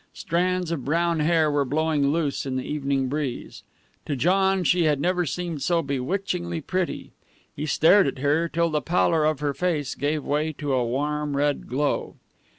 Strands of brown hair were blowing loose in the evening breeze. To John she had never seemed so bewitchingly pretty. He stared at her till the pallor of her face gave way to a warm red glow.